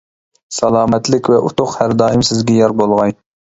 سالامەتلىك ۋە ئۇتۇق ھەر دائىم سىزگە يار بولغاي.